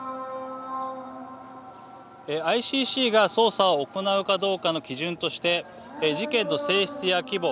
ＩＣＣが捜査を行うかどうかの基準として事件の性質や規模